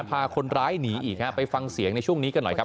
พาคนร้ายหนีอีกฮะไปฟังเสียงในช่วงนี้กันหน่อยครับ